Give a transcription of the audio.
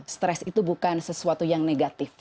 stres itu bukan sesuatu yang negatif